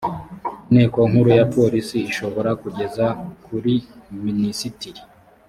inteko nkuru ya polisi ishobora kugeza kuri minisitiri